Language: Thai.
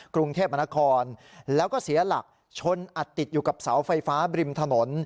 กรุงเทพมนครแล้วก็เสียหลักชนอัดติดอยู่กับเสาไฟฟ้าบริมถนน